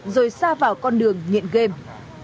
rồi xa vào con đường nhện game